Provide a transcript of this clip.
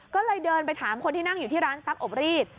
ก็เลยเดินไปถามคนที่นั่งอยู่ที่ร้านซักอบรีด